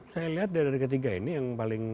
saya lihat dari ketiga ini yang paling